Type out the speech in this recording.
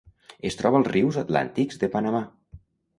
Es troba als rius atlàntics de Panamà.